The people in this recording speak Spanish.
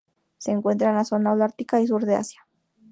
Se encuentra en la zona holártica y sur de Asia.